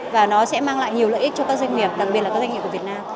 và nó sẽ mang lại nhiều lợi ích cho các doanh nghiệp đặc biệt là các doanh nghiệp của việt nam